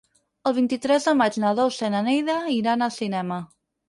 El vint-i-tres de maig na Dolça i na Neida iran al cinema.